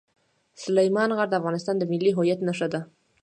سلیمان غر د افغانستان د ملي هویت نښه ده.